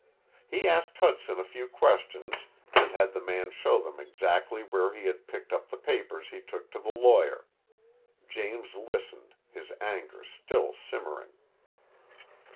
He asked Hudson a few questions and had the man show them exactly where he had picked up the papers he took to the lawyer. James listened, his anger still simmering.